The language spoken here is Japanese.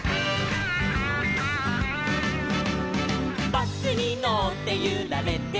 「バスにのってゆられてる」